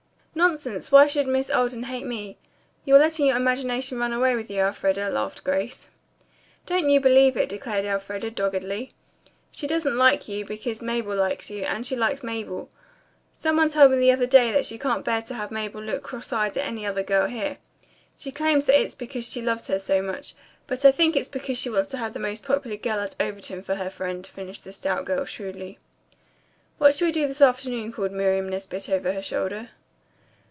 "Nonsense, why should Miss Alden hate me? You are letting your imagination run away with you, Elfreda," laughed Grace. "Don't you believe it," declared Elfreda doggedly. "She doesn't like you, because Mabel likes you, and she likes Mabel. Some one told me the other day that she can't bear to have Mabel look cross eyed at any other girl here. She claims that it's because she loves her so much, but I think it's because she wants to have the most popular girl at Overton for her friend," finished the stout girl shrewdly. "What shall we do this afternoon?" called Miriam Nesbit over her shoulder.